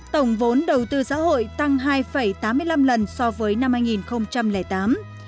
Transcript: tổng vốn đầu tư xã hội tăng hai tám mươi năm lần so với năm hai nghìn tám